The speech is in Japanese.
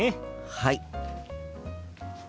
はい。